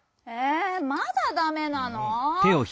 えまだダメなの？